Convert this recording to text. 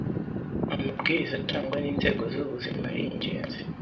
amabwiriza atangwa n’inzego z’ubuzima ari ingenzi,